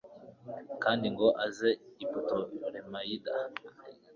kandi ngo aze i putolemayida